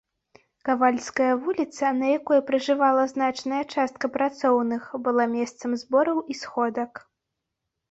Кавальская вуліца, на якой пражывала значная частка працоўных, была месцам збораў і сходак.